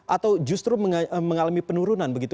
atau justru mengalami penurunan begitu